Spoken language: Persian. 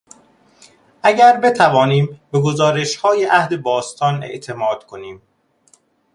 اگر بتوانیم به گزارشهای عهد باستان اعتماد کنیم...